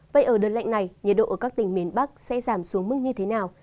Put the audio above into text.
vậy ở đơn lạnh này nhiệt độ ở các tỉnh miền bắc sẽ giảm xuống mức như thế nào